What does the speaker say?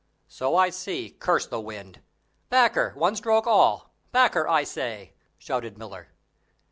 "So I see; curse the wind. Back her, one stroke all. Back her, I say!" shouted Miller.